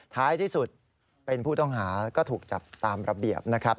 ท้ายที่สุดเป็นผู้ต้องหาก็ถูกจับตามระเบียบนะครับ